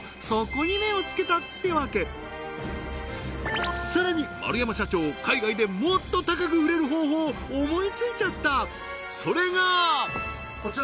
そこに目をつけたってわけさらに丸山社長海外でもっと高く売れる方法を思いついちゃった！